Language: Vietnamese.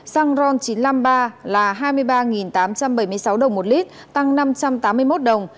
xăng ron chín trăm năm mươi ba là hai mươi ba tám trăm bảy mươi sáu đồng một lít tăng năm trăm tám mươi một đồng